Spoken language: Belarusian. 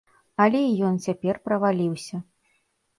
Але і ён цяпер праваліўся.